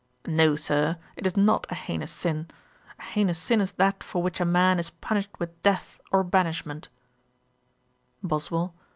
'No, Sir, it is not a heinous sin. A heinous sin is that for which a man is punished with death or banishment.' BOSWELL.